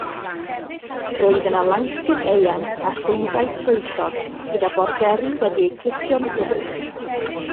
Roedd yno lawntydd eang a llwybrau troellog gyda borderi wedi'u clipio'n dwt.